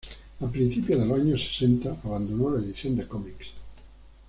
A principios de los años sesenta, abandonó la edición de cómics.